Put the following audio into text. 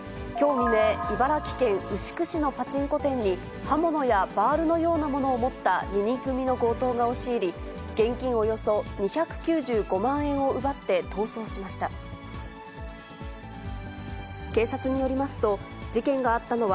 きょう未明、茨城県牛久市のパチンコ店に、刃物やバールのようなものを持った２人組の強盗が押し入り、現金およそ２９５万円を奪って逃走しました。